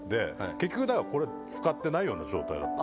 結局、だからこれ使ってないような状態だった。